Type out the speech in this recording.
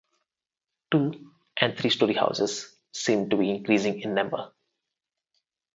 Two and three-storey houses seem to be increasing in number.